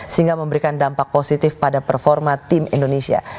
sehingga memberikan dampak positif pada performa tim indonesia